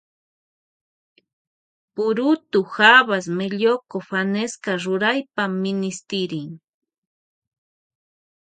Purutu habas melloco fanesca ruraypa minishtirin.